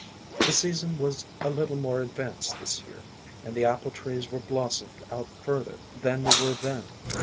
The season was a little more advanced this year, and the apple trees were blossomed out further than they were then.